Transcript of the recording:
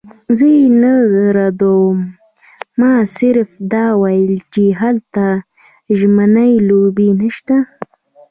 زه یې نه ردوم، ما صرف دا ویل چې هلته ژمنۍ لوبې نشته.